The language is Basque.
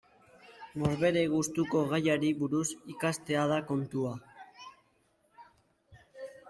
Norbere gustuko gaiari buruz ikastea da kontua.